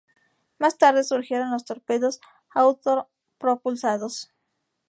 Más tarde surgieron los torpedos autopropulsados.